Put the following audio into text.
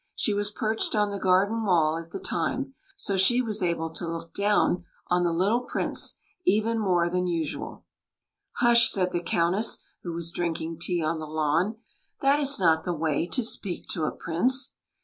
She was perched on the garden wall at the time, so she was able to look down on the little Prince even more than usual. '' Hush !" said the Countess, who was drink ing tea on the lawn. " That is not the way to speak to a Prince."